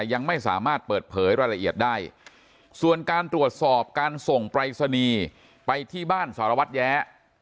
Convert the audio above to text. ยังไม่สามารถเปิดเผยรายละเอียดได้ส่วนการตรวจสอบการส่งปรายศนีย์ไปที่บ้านสารวัตรแย้